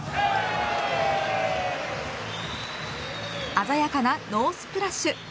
鮮やかなノースプラッシュ。